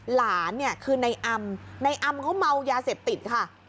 หลานเนี่ยคือในอำในอำเขาเมายาเสพติดค่ะ